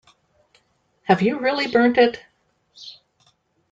Have you really burnt it?